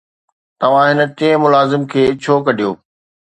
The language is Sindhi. توهان هن ٽئين ملازم کي ڇو ڪڍيو؟